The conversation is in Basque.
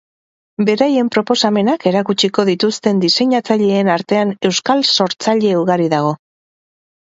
Beraien proposamenak erakutsiko dituzten diseinatzaileen artean euskal sortzaile ugari dago.